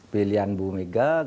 pilihan ibu megawati